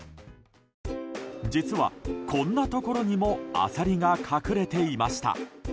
実は、こんなところにもアサリが隠れていました。